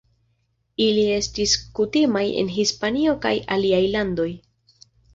Ili estis kutimaj en Hispanio kaj aliaj landoj.